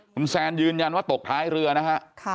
คุณแซนยืนยันว่าตกท้ายเรือนะฮะ